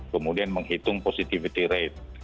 kemudian menghitung positivity rate